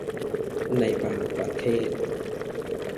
ในบางประเทศ